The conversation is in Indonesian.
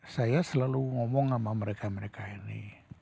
saya selalu ngomong sama mereka mereka ini